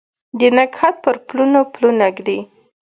د نګهت پر پلونو پلونه ږدي